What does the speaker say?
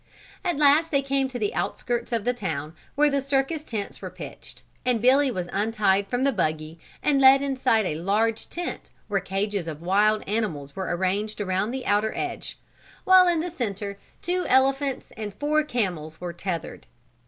At last they came to the outskirts of the town, where the circus tents were pitched, and Billy was untied from the buggy and led inside a large tent where cages of wild animals were arranged around the outer edge, while in the center two elephants and four camels were tethered.